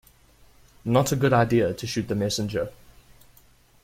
Not a good idea to shoot the messenger.